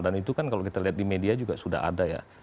dan itu kan kalau kita lihat di media juga sudah ada ya